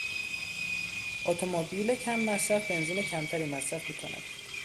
اتومبیل کم مصرف بنزین کمتری مصرف میکند.